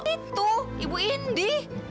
itu ibu indi